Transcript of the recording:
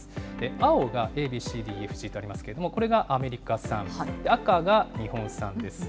青がＡＢＣＤＥＦＧとありますけれども、これがアメリカ産、赤が日本産です。